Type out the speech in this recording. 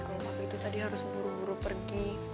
kalo papi itu tadi harus buru buru pergi